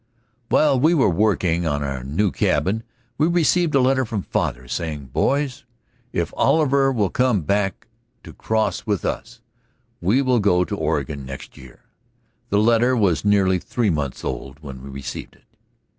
While we were working on our new cabin, we received a letter from father, saying: "Boys, if Oliver will come back to cross with us, we will go to Oregon next year." The letter was nearly three months old when we received it.